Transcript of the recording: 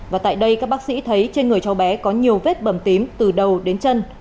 và tại đây các bác sĩ thấy trên người cháu bé có nhiều vết bầm tím từ đầu đến chân